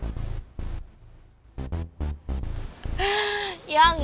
bisa bisa gak dikasih kalo dia cemburu